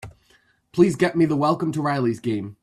Please get me the Welcome to the Rileys game.